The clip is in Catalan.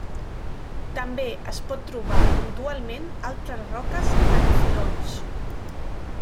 També es pot trobar puntualment altres roques en filons.